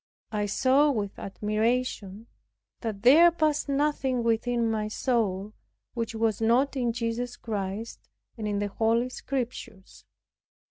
I saw with admiration that there passed nothing within my soul which was not in Jesus Christ and in the Holy Scriptures.